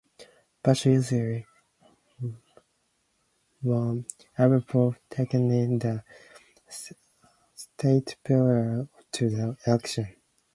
Bush easily won every poll taken in the state prior to the election.